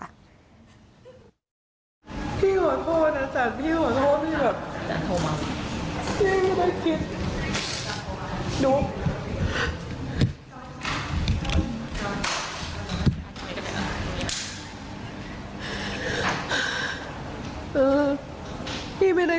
ลองฟังเสียงช่วงนี้ดูค่ะ